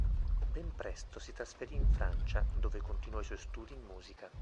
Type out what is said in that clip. Ben presto si trasferì in Francia, dove continuò i suoi studi in musica.